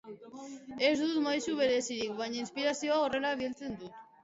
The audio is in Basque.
Ez dut maisu berezirik, baina inspirazioa horrela biltzen dut.